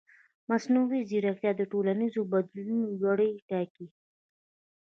مصنوعي ځیرکتیا د ټولنیزو بدلونونو لوری ټاکي.